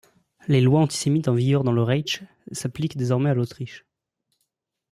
Les lois antisémites en vigueur dans le Reich s'appliquent désormais à l'Autriche.